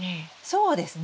そうですね。